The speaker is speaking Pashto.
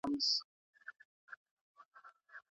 هغه به مو په سخت کار مکلف کړی وي.